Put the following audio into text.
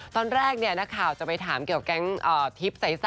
ตอนแรกเนี่ยนักข่าวจะไปถามเกี่ยวกับแก๊งพลิปใส